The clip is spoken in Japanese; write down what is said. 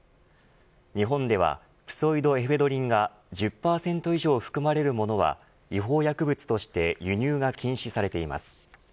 日本ではプソイドエフェドリンが１０％以上含まれるものは違法薬物として輸入が禁止されています。